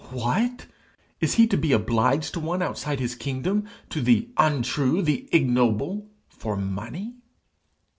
What! is he to be obliged to one outside his kingdom to the untrue, the ignoble, for money?